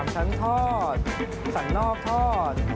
๓ชั้นทอดสั่นนอกทอด